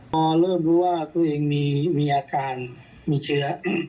พอเริ่มรู้ว่าตัวเองมีอาการมีเชื้อ